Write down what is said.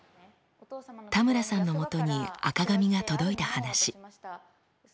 田村さんのもとに赤紙が届いた話。